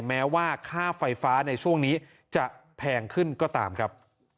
แม้ว่าค่าไฟฟ้าในช่วงนี้จะแพงขึ้นก็ตามครับ